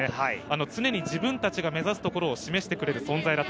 常に自分たちが目指すところを示してくれる存在。